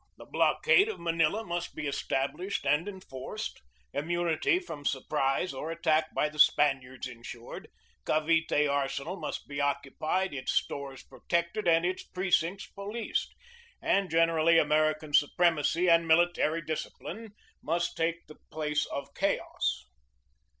The blockade of Manila must be established and enforced ; immu nity from surprise or attack by the Spaniards insured; Cavite arsenal must be occupied, its stores protected, and its precincts policed; and, generally, American supremacy and military discipline must take the place of chaos.